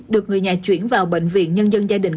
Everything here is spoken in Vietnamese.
được người nhà chuyển vào bệnh viện nhân dân gia đình